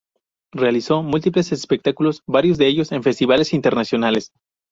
Realizó múltiples espectáculos, varios de ellos en festivales internacionales.